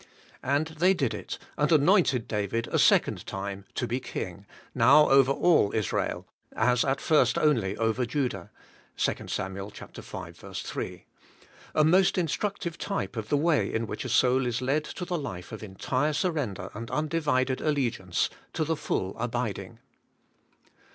And they did it, and anointed David a second time to be king, now over all Israel, as at first only over Judah {2 Sam, v. S), — a most instructive type of the way in which a soul is led to the life of entire surren der and undivided allegiance, to the full abiding.